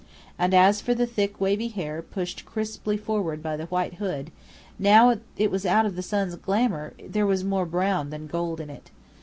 And as for the thick wavy hair pushed crisply forward by the white hood, now it was out of the sun's glamour, there was more brown than gold in it.